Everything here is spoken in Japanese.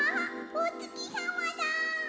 おつきさまだ！